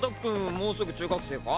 もうすぐ中学生か？